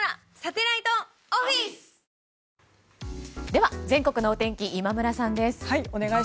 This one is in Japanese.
では全国のお天気今村さんです。